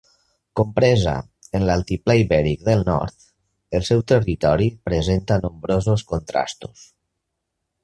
Compresa en l'altiplà ibèric del nord, el seu territori presenta nombrosos contrastos.